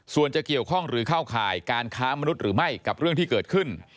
ส่วนจะเกี่ยวข้องหรือเข้าข่ายการค้ามนุษย์หรือไม่กับเรื่องที่เกิดขึ้น